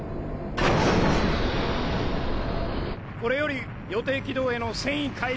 これより予定軌道への遷移開始。